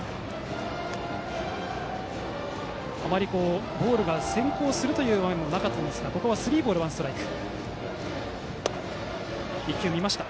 あまりボールが先行する場面もなかったですがここはスリーボールワンストライク。